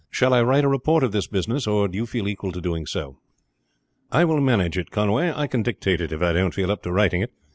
Shall I write a report of this business, or do you feel equal to doing so?" "I will manage it, Conway. I can dictate it if I don't feel up to writing it.